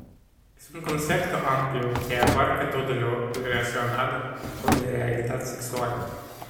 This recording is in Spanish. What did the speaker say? Es un concepto amplio que abarca todo lo relacionado con la realidad sexual.